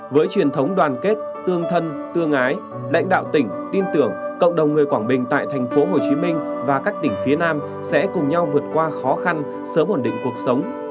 với truyền thống đoàn kết tương thân tương ái lãnh đạo tỉnh tin tưởng cộng đồng người quảng bình tại thành phố hồ chí minh và các tỉnh phía nam sẽ cùng nhau vượt qua khó khăn sớm ổn định cuộc sống